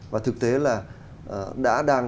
và thực tế là đã đang